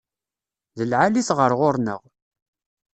D lεali-t ɣer ɣur-neɣ.